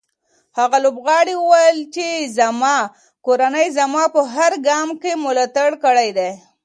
هغه لوبغاړی وویل چې زما کورنۍ زما په هر ګام کې ملاتړ کړی دی.